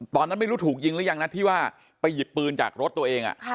ตอนนั้นไม่รู้ถูกยิงหรือยังนะที่ว่าไปหยิบปืนจากรถตัวเอง